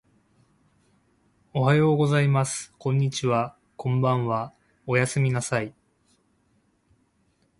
おはようございます。こんにちは。こんばんは。おやすみなさい。